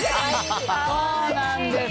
そうなんです。